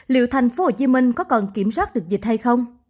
liệu thành phố hồ chí minh có còn kiểm soát được dịch hay không